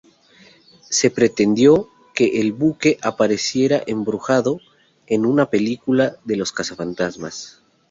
Se pretendió que el buque, apareciera como embrujado en una película de Los Cazafantasmas.